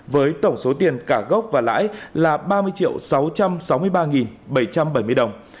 với tổng số tiền cả gốc và lãi là ba mươi sáu trăm sáu mươi ba bảy trăm bảy mươi đồng